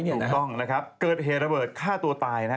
ถูกต้องนะครับเกิดเหตุระเบิดฆ่าตัวตายนะ